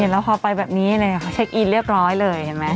แล้วพอไปแบบนี้เขาเช็คอินเรียบร้อยเลยเห็นไหม